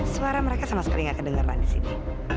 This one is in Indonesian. suara mereka sama sekali gak kedengaran di sini